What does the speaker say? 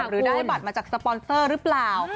หรือได้บัตรมาจากสปอนเซอร์หรือเปล่า